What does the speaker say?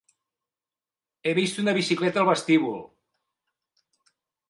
He vist una bicicleta al vestíbul.